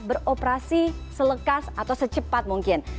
beroperasi selekas atau secepat mungkin